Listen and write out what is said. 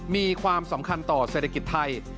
มีความสำคัญต่อเศรษฐกิจไทย